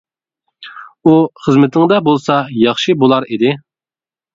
ئۇ خىزمىتىڭدە بولسا، ياخشى بولار ئىدى.